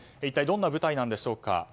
一体どんな部隊なんでしょうか。